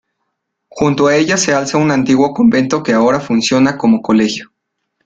Junto a ella se alza un antiguo convento que ahora funciona como colegio.